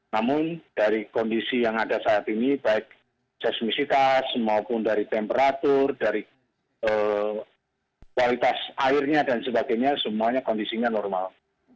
namun dari kondisi yang ada saat ini baik seismisitas maupun dari temperatur dari kualitas airnya dan sebagainya semuanya kondisinya normal